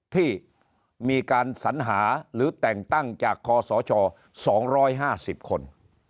ที่มีการสัญหาหรือแต่งตั้งจากคอสช๒๕๐คน